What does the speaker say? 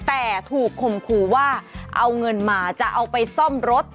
แต่ถูกข่มขู่ว่าเอาเงินมาจะเอาไปซ่อมรถ